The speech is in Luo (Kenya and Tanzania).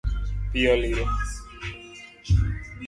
Pi olil